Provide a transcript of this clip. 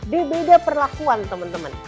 dibeda perlakuan teman teman